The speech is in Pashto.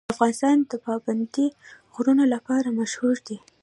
افغانستان د پابندی غرونه لپاره مشهور دی.